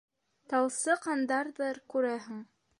Талсыҡҡандарҙыр, күрәһең.